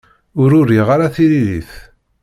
Ur uriɣ ara tiririt.